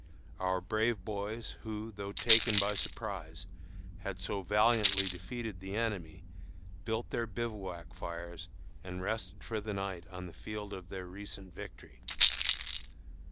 Our brave boys, who, though taken by surprise, had so valiantly defeated the enemy, built their bivouac fires and rested for the night on the field of their recent victory.